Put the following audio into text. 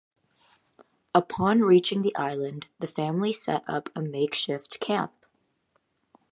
Upon reaching the island, the family set up a makeshift camp.